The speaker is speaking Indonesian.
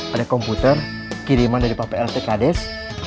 ada komputer kiriman dari pak plt kades